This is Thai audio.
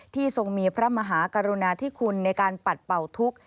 ทรงมีพระมหากรุณาธิคุณในการปัดเป่าทุกข์